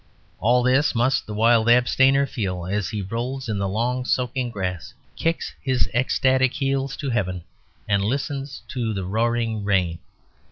All this must the wild abstainer feel, as he rolls in the long soaking grass, kicks his ecstatic heels to heaven, and listens to the roaring rain.